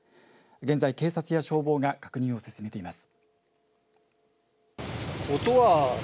現在、警察や消防が確認を進めています。